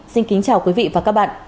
xin kính chào quý vị và các bạn